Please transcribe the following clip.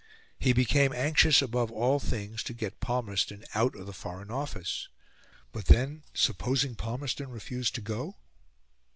He became anxious above all things to get Palmerston out of the Foreign Office. But then supposing Palmerston refused to go?